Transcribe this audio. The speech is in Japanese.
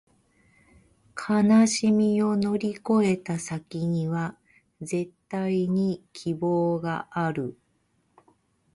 悲しみを乗り越えた先には、絶対に希望がある